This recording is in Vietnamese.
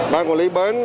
ban quản lý bến